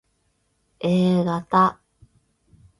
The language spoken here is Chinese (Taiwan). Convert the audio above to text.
A 型鏈球菌所致之敗血症